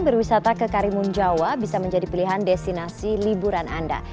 berwisata ke karimun jawa bisa menjadi pilihan destinasi liburan anda